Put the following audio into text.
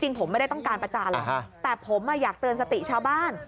ผมไม่ได้ต้องการประจานหรอกแต่ผมอยากเตือนสติชาวบ้าน